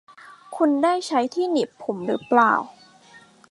คุณได้ใช้ที่หนีบผมหรือเปล่า ?